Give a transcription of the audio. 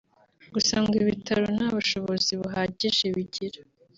Gusa ngo ibitaro nta bushobozi buhagije bigira